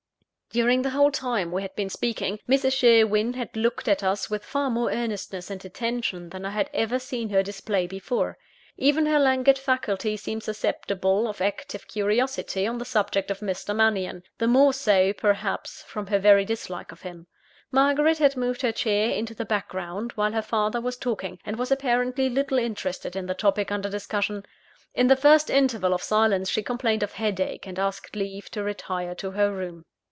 During the whole time we had been speaking, Mrs. Sherwin had looked at us with far more earnestness and attention than I had ever seen her display before. Even her languid faculties seemed susceptible of active curiosity on the subject of Mr. Mannion the more so, perhaps, from her very dislike of him. Margaret had moved her chair into the background, while her father was talking; and was apparently little interested in the topic under discussion. In the first interval of silence, she complained of headache, and asked leave to retire to her room.